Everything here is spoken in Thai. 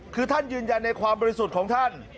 คือท่านยืนยันในความบริสุทธิ์ของท่าน